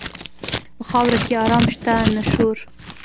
په خاوره کې آرام شته، نه شور.